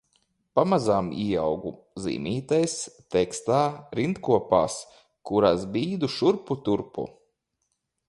Pamazām ieaugu zīmītēs, tekstā, rindkopās, kuras bīdu šurpu turpu.